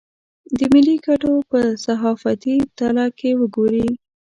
د ملي ګټو په صحافتي تله که وګوري.